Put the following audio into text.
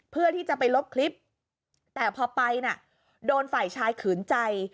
เพื่อที่จะไปลบคลิปแต่พอไปน่ะโดนฝ่ายชายขืนใจ